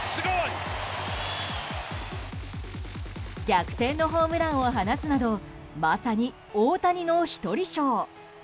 逆転のホームランを放つなどまさに大谷の１人ショウ。